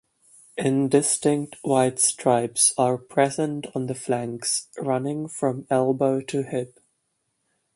Indistinct white stripes are present on the flanks, running from elbow to hip.